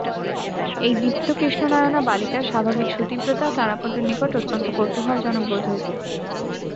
এই দীপ্তকৃষ্ণনয়না বালিকার স্বাভাবিক সুতীব্রতা তারাপদর নিকটে অত্যন্ত কৌতুকজনক বোধ হইত।